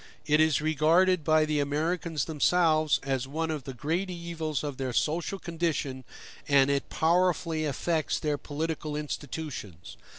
It is regarded by the Americans themselves as one of the great evils of their social condition, and it powerfully affects their political institutions.